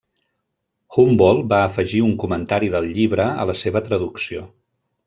Humboldt va afegir un comentari del llibre a la seva traducció.